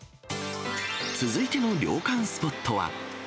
続いての涼感スポットは。